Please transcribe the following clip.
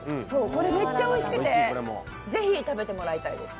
これめっちゃおいしくてぜひ食べてほしいです。